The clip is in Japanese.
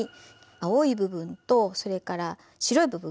青い部分とそれから白い部分。